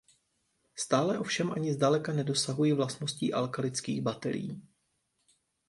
Stále ovšem ani zdaleka nedosahují vlastností alkalických baterií.